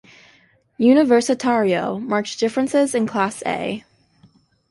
Universitario, marked differences in class A.